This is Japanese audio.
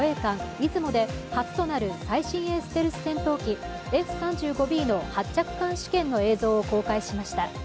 「いずも」で初となる最新鋭ステルス戦闘機Ｆ−３５Ｂの発着艦試験の映像を公開しました。